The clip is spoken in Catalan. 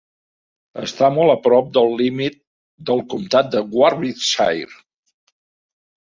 Està molt a prop del límit del comtat amb Warwickshire.